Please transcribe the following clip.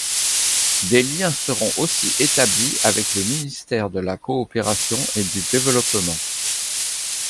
Des liens seront aussi établis avec le ministère de la Coopération et du développement.